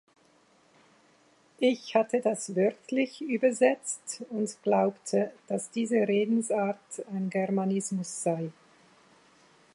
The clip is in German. Ich hatte das wörtlich übersetzt und glaubte, dass diese Redensart ein Germanismus sei.